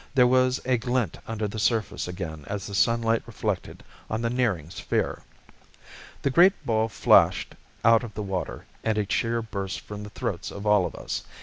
There was a glint under the surface again as the sunlight reflected on the nearing sphere. The great ball flashed out of the water, and a cheer burst from the throats of all of us.